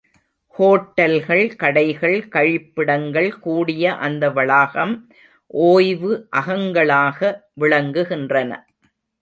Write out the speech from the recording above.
ஹோட்டல்கள், கடைகள், கழிப்பிடங்கள் கூடிய அந்த வளாகம் ஓய்வு அகங்களாக விளங்குகின்றன.